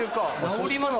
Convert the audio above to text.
直ります？